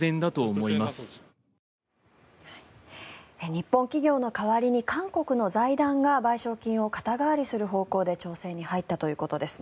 日本企業の代わりに韓国の財団が賠償金を肩代わりする方向で調整に入ったということです。